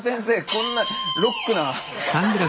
こんなロックな。